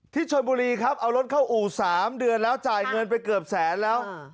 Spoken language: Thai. ที่ชนบุรีครับเอารถเข้าอู่๓เดือนแล้วจ่ายเงินไปเกือบแสนแล้ว